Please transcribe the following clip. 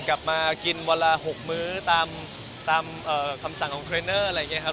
กลับมากินวันละ๖มื้อตามคำสั่งของเทรนเนอร์อะไรอย่างนี้ครับ